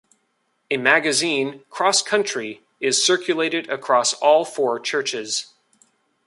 A magazine, "Cross Country", is circulated across all four churches.